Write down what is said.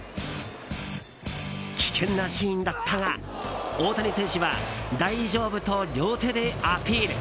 危険なシーンだったが大谷選手は大丈夫と両手でアピール。